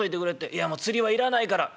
「いやもう釣りは要らないから」。